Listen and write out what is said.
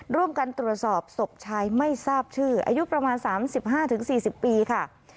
ร่วมกันตรวจสอบศพชายไม่ทราบชื่ออายุประมาณ๓๕๔๐ปีค่ะ